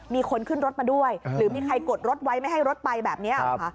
มีคนขึ้นรถมาด้วยหรือมีใครกดรถไว้ไม่ให้รถไปแบบนี้หรอคะ